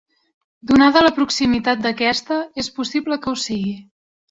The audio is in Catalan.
Donada la proximitat d'aquesta, és possible que ho sigui.